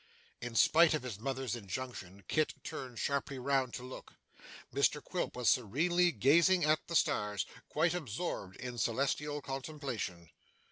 In spite of his mother's injunction, Kit turned sharply round to look. Mr Quilp was serenely gazing at the stars, quite absorbed in celestial contemplation.